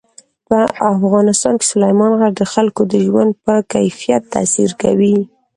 په افغانستان کې سلیمان غر د خلکو د ژوند په کیفیت تاثیر کوي.